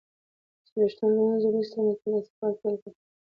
څلویښتم لمونځ وروسته مکې ته سفر پیل کړ.